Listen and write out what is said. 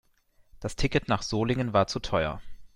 Das Ticket nach Solingen war zu teuer